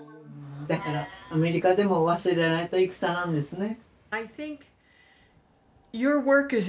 だからアメリカでも忘れられた戦なんですね。